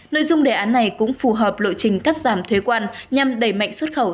nội dung đề án này cũng phù hợp lộ trình cắt giảm thuế quan nhằm đẩy mạnh xuất khẩu